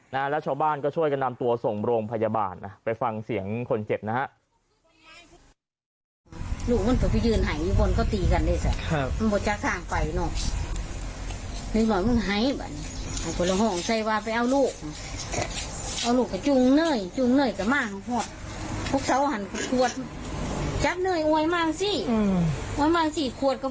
แล้วชาวบ้านก็ช่วยกันนำตัวส่งโรงพยาบาลนะไปฟังเสียงคนเจ็บนะฮะ